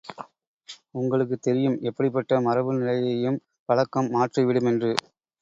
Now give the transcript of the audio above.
உங்களுக்குத் தெரியும் எப்படிப்பட்ட மரபு நிலையையும் பழக்கம் மாற்றி விடுமென்று.